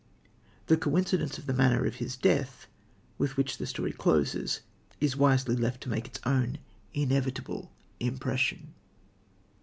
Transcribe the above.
The coincidence of the manner of his death, with which the story closes, is wisely left to make its own inevitable impression.